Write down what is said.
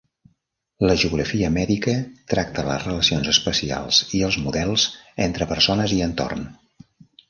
La geografia mèdica tracta les relacions espacials i els models entre persones i entorn.